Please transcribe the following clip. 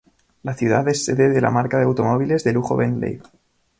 La ciudad es sede de la marca de automóviles de lujo Bentley.